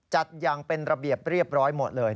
จัดอย่างเป็นระเบียบเรียบร้อยหมดเลย